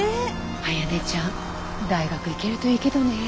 あやねちゃん大学行けるといいけどねえ。